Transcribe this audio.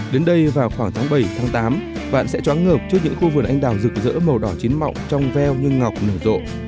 đến đây vào khoảng tháng bảy tám bạn sẽ tróng ngợp trước những khu vườn anh đào rực rỡ màu đỏ chín mọc trong veo như ngọc nửa rộ